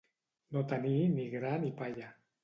No tenir ni gra ni palla.